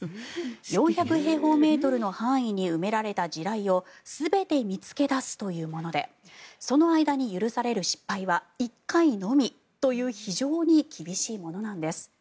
４００平方メートルの範囲に埋められた地雷を全て見つけ出すというものでその間に許される失敗は１回のみという非常に厳しいものなんです。